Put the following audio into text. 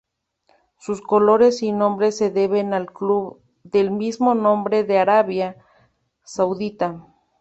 Sus colores y nombre se deben al club del mismo nombre de Arabia Saudita.